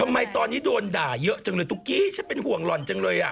ทำไมตอนนี้โดนด่าเยอะจังเลยตุ๊กกี้ฉันเป็นห่วงหล่อนจังเลยอ่ะ